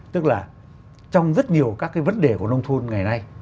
tức là trong rất nhiều các cái vấn đề của nông thôn ngày nay